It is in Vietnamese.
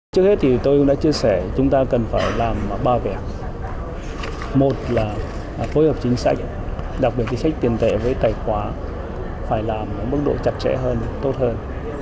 trước hết thì tôi cũng đã chia sẻ chúng ta cần phải làm ba việc một là phối hợp chính sách đặc biệt chính sách tiền tệ với tài khoá phải làm mức độ chặt chẽ hơn tốt hơn